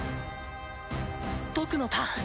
僕のターン！